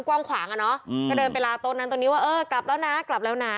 กว้างขวางอ่ะเนอะก็เดินไปลาโต๊ะนั้นตรงนี้ว่าเออกลับแล้วนะกลับแล้วนะ